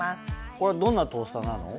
これどんなトースターなの？